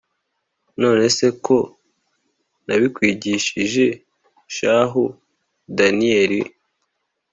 nonese ko nabikwigishije shahu daniel,